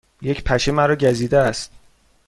یک پشه مرا گزیده است.